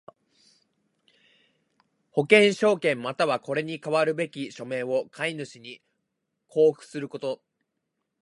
保険証券又はこれに代わるべき書面を買主に交付すること。